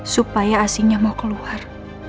supaya asinya mau keluar